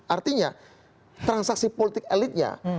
artinya transaksi politik elitnya